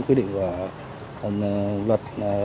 quy định của luật